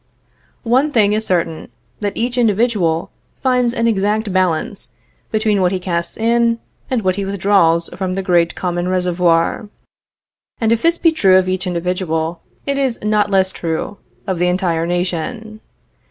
One thing is certain; that each individual finds an exact balance between what he casts in and what he withdraws from the great common reservoir; and if this be true of each individual, it is not less true of the entire nation.